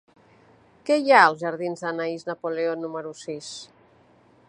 Què hi ha als jardins d'Anaïs Napoleon número sis?